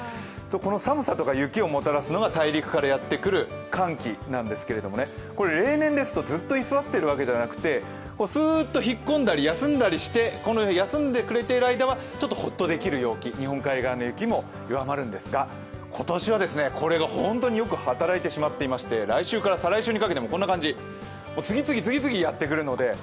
この寒さや雪をもたらすのが大陸からやってくる寒気なんですが例年ですと、ずっと居座っているわけじゃなくて、すーっと引っ込んだり休んだりして、休んでくれている間はちょっとほっとできる陽気日本海側の雪も弱まるんですが、今年はこれが本当によく働いてしまっていて来週から再来週にかけてもこんな感じ、次々、次々やってくるので。